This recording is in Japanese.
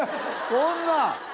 こんなん！